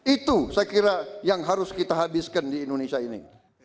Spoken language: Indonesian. itu saya kira yang harus kita habiskan di indonesia ini